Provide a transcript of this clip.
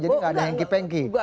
jadi nggak ada hengki pengki